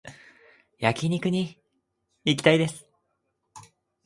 焼肉に行きたいです